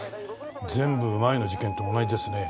全部前の事件と同じですね。